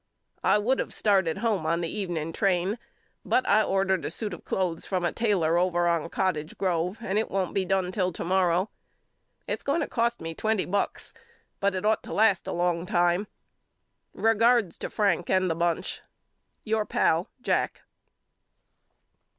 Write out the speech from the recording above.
I would of started home on the evening train but I ordered a suit of cloths from a tailor over on Cottage Grove and it won't be done till to morrow. It's going to cost me twenty bucks but it ought to last a long time. Regards to Frank and the bunch. Your Pal, JACK.